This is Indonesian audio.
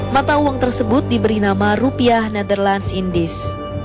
mata uang tersebut diberi nama rupiah netherlands indis